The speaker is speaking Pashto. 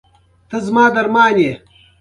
تاسې زما درمان یاست؟